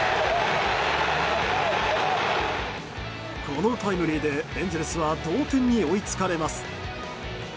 このタイムリーでエンゼルスは同点に追いつかれます。